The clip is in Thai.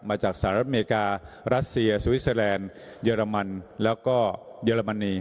สหรัฐอเมริการัสเซียสวิสเตอร์แลนด์เยอรมันแล้วก็เยอรมนี